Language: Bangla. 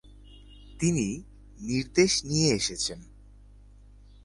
তিনি নির্দেশ নিয়ে এসেছেন।